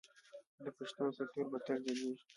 د پښتنو کلتور به تل ځلیږي.